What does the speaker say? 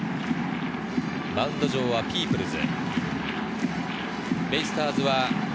マウンド上はピープルズ。